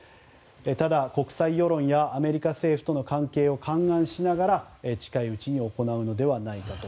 ただ、国際世論やアメリカ政府との関係を勘案しながら近いうちに行うのではないかと。